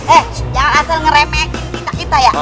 eh jangan asal ngeremehin kita kita ya